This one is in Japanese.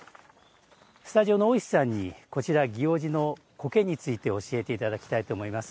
スタジオの大石さんにこちら、祇王寺の苔について教えていただきたいと思います。